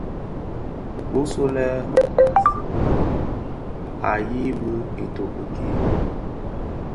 Bisulè maa seňi wêm a yibi itoki kii.